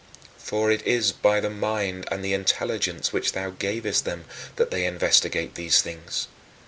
4. For it is by the mind and the intelligence which thou gavest them that they investigate these things.